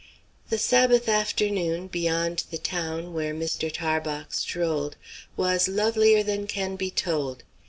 The sabbath afternoon, beyond the town, where Mr. Tarbox strolled, was lovelier than can be told.